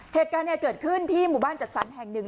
เหตุการณ์เกิดขึ้นที่หมู่บ้านจัดสรรแห่งหนึ่ง